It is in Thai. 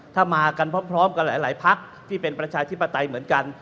ถ้ามากันพร้อมกับหลายพักที่เป็นประชาธิปไตยเหมือนกัน